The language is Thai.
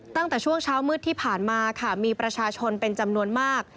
ตั้งแต่ช่วงเช้ามืดที่ผ่านมาค่ะมีประชาชนเป็นจำนวนมาก